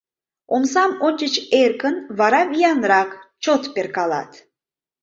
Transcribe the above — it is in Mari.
Омсам ончыч эркын, вара виянрак, чот перкалат.